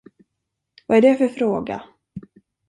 Vad är det för fråga?